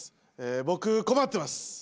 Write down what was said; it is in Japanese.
僕困ってます。